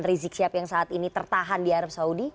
rizik sihab yang saat ini tertahan di arab saudi